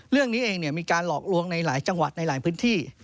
เรื่องนี้เองมีการหลอกลวงในหลายจังหวัดในหลายพื้นที่